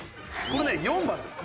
これね４番です。